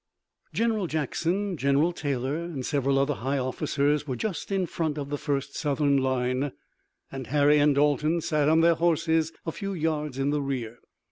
General Jackson, General Taylor and several other high officers were just in front of the first Southern line, and Harry and Dalton sat on their horses a few yards in the rear.